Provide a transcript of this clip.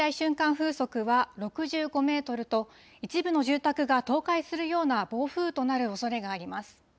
風速は６５メートルと一部の住宅が倒壊するような暴風となるおそれがあります。